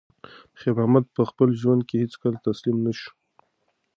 خیر محمد په خپل ژوند کې هیڅکله تسلیم نه شو.